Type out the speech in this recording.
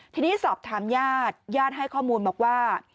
ทีนี้สอบถามญาติญาติให้ข้อมูลบอกว่า